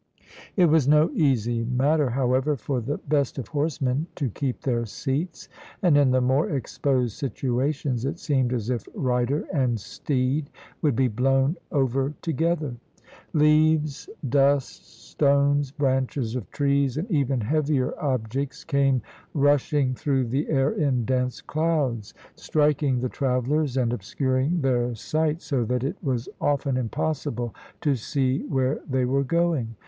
It was no easy matter, however, for the best of horsemen to keep their seats, and in the more exposed situations it seemed as if rider and steed would be blown over together. Leaves, dust, stones, branches of trees, and even heavier objects, came rushing through the air in dense clouds, striking the travellers and obscuring their sight, so that it was often impossible to see where they were going.